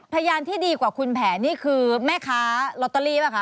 พยานที่ดีกว่าคุณแผนนี่คือแม่ค้าลอตเตอรี่ป่ะคะ